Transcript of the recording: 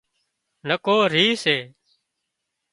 نڪو ريهه سي